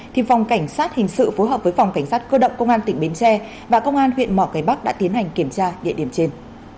thì phòng cảnh sát hình sự phối hợp với phòng cảnh sát cơ động công an tỉnh bến tre và công an huyện mỏ cây bắc đã tiến hành kiểm tra địa điểm trên